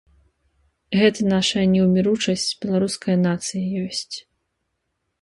Гэта нашая неўміручасць, беларуская нацыя ёсць.